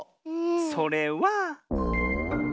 それは。